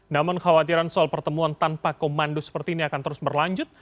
namun khawatiran soal pertemuan tanpa komando seperti ini akan terus berlanjut